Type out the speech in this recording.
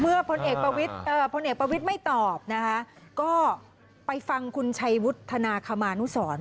พลเอกประวิทย์ไม่ตอบนะคะก็ไปฟังคุณชัยวุฒนาคมานุสร